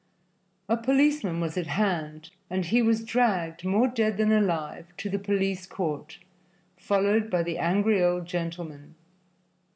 A policeman was at hand and he was dragged, more dead than alive, to the police court, followed by the angry old gentleman.